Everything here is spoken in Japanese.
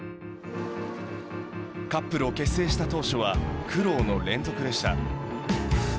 カップルを結成した当初は苦労の連続でした。